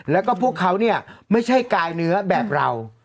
แล้วก็พวกเขาเนี่ยไม่ใช่กายเนื้อแบบเรา